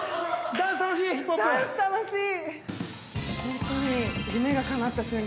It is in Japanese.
◆ダンス楽しい。